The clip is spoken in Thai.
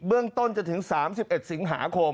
เรื่องต้นจะถึง๓๑สิงหาคม